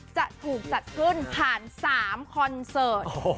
จะถูกจัดขึ้นผ่าน๓คอนเสิร์ต